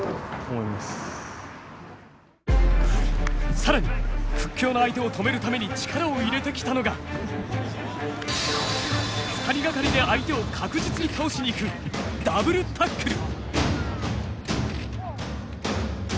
更に屈強な相手を止めるために力を入れてきたのが２人掛かりで相手を確実に倒しに行くダブルタックル。